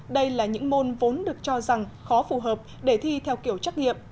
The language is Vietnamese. đây là những môn vốn được cho rằng khó phù hợp để thi theo kiểu trắc nghiệm